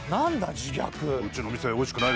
「自虐」。